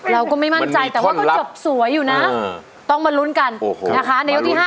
เราก็ไม่มั่นใจแต่ว่าก็จบสวยอยู่นะต้องมาลุ้นกันนะคะในยกที่๕